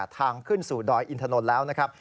ทางขึ้นสู่ดอยอินทนนท์แล้วนะครับ